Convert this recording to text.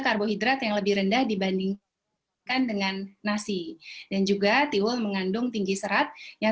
karbohidrat yang lebih rendah dibandingkan dengan nasi dan juga tiwul mengandung tinggi serat yang